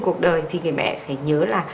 cuộc đời thì người mẹ phải nhớ là